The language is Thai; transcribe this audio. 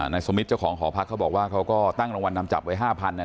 สมิทเจ้าของหอพักเขาบอกว่าเขาก็ตั้งรางวัลนำจับไว้๕๐๐เนี่ย